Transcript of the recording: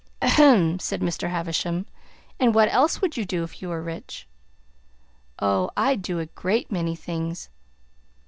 "Ahem!" said Mr. Havisham. "And what else would you do if you were rich?" "Oh! I'd do a great many things.